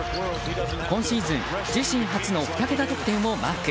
今シーズン自身初の２桁得点をマーク。